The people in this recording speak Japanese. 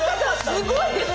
すごいです。